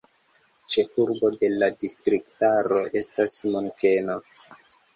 Ĉefurbo de la distriktaro estas Munkeno.